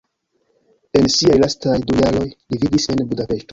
En siaj lastaj du jaroj li vivis en Budapeŝto.